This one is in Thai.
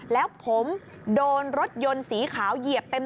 แล้วผมโดนรถยนต์สีขาวเหยียบเต็ม